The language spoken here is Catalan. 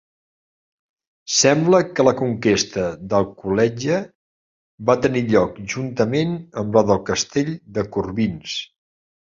Sembla que la conquesta d'Alcoletge va tenir lloc juntament amb la del castell de Corbins.